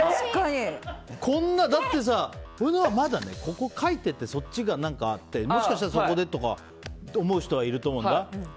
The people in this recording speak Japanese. だってさ、書いていてそっちがとかだったらもしかしたらそこでとか思う人はいると思うんだ。